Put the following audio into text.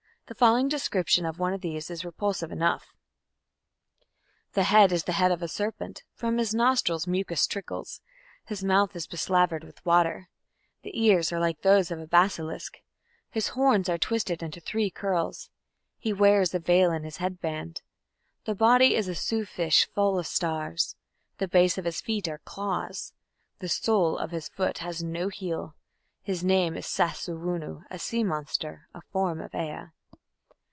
The following description of one of these is repulsive enough: The head is the head of a serpent, From his nostrils mucus trickles, His mouth is beslavered with water; The ears are like those of a basilisk, His horns are twisted into three curls, He wears a veil in his head band, The body is a suh fish full of stars, The base of his feet are claws, The sole of his foot has no heel, His name is Sassu wunnu, A sea monster, a form of Ea.